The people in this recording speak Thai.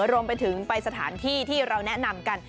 รวมไปถึงไปสถานที่ที่เราแนะนำกัน